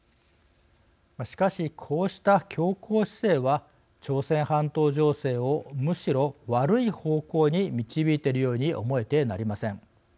しかし、こうした強硬姿勢は朝鮮半島情勢をむしろ悪い方向に導いているように思えてなりません。